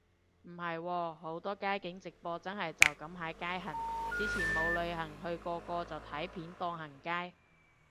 唔係喎，好多街景直播真係就噉喺街行，之前冇旅行去個個就睇片當行街